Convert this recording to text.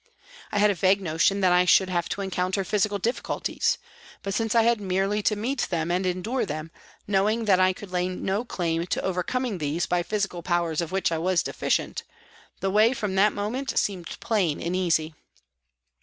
I had a vague notion that I should have to encounter physical difficulties, but since I had merely to meet them and endure them, knowing that I could lay no claim to overcoming these by physical powers of which I was deficient, the way from that moment seemed plain and easy.